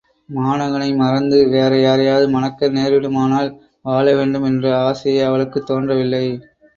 மாணகனை மறந்து, வேற யாரையாவது மணக்க நேரிடுமானால், வாழவேண்டும் என்ற ஆசையே அவளுக்குத் தோன்றவில்லை.